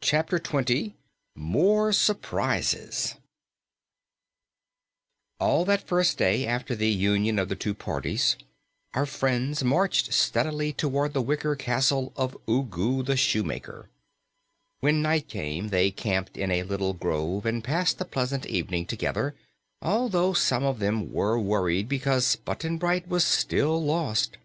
CHAPTER 20 MORE SURPRISES All that first day after the union of the two parties, our friends marched steadily toward the wicker castle of Ugu the Shoemaker. When night came, they camped in a little grove and passed a pleasant evening together, although some of them were worried because Button Bright was still lost.